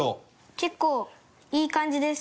結構、いい感じです。